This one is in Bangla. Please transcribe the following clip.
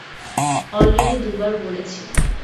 অলরেডি দুবার বলেছি।